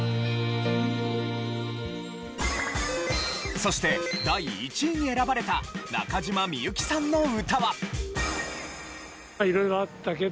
そして第１位に選ばれた中島みゆきさんの歌は。